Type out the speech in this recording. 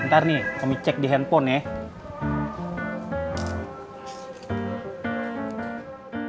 ntar nih kami cek di handphone ya